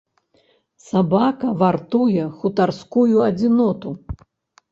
Сабака вартуе хутарскую адзіноту.